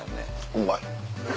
うまい。